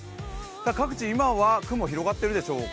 各地、今は雲広がっているでしょうか。